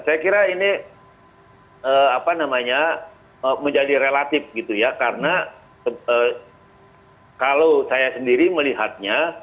saya kira ini menjadi relatif karena kalau saya sendiri melihatnya